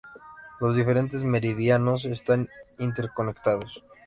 Los diferentes meridianos están interconectados.